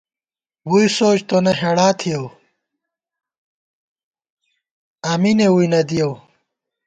ووئی سوچ تونہ ہېڑا تھِیَؤ ، اَمینے ووئی نہ دِیَؤ